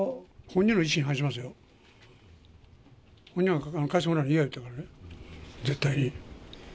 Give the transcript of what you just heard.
本人は返してもらうの嫌やったからね、絶対に。